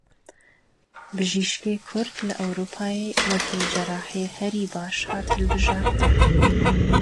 Bijîşkê Kurd li Ewropayê wekî cerahê herî baş hat hilbijartin.